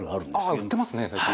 ああ売ってますね最近。